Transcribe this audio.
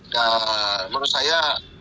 dan menurut saya